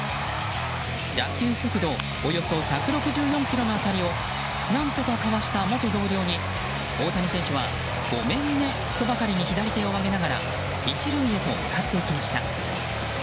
打球速度およそ１６４キロの当たりを何とかかわした元同僚に大谷選手は、ごめんねとばかりに左手を上げながら１塁へと向かっていきました。